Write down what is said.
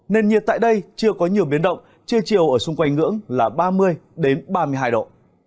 nền nhiệt tại đây chưa có nhiều biến động trưa chiều ở xung quanh ngưỡng là ba mươi ba mươi hai độ